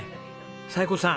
彩子さん